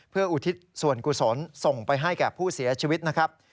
เพื่ออุทิศส่วนกุศลส่งไปให้แก่ผู้เสียชีวิตนะครับ